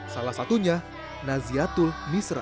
salah satunya naziatul misra